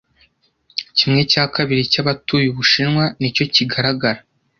Kimwe cya kabiri cyabatuye Ubushinwa nicyo kigaragara